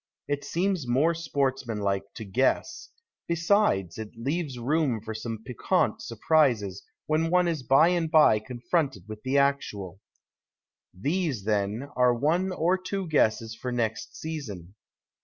It seems more sportsmanlike to guess ; besides, it leaves room for some piquant surprises when one is by and by confronted >\ith the actual. These, then, are one or two guesses for next season.